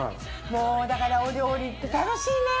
もうだからお料理って楽しいね！